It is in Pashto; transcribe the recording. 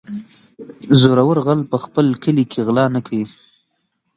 زورور غل په خپل کلي کې غلا نه کوي.